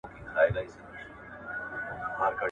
په سپوږمۍ كي زمـــا ژوندون دئ